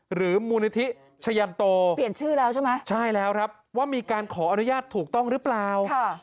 หรือมูลนิธิชะยันโตเปลี่ยนชื่อแล้วใช่ไหมใช่แล้วครับว่ามีการขออนุญาตถูกต้องหรือเปล่า